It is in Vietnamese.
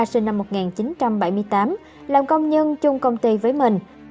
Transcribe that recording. sinh năm một nghìn chín trăm bảy mươi tám làm công nhân chung công ty với mình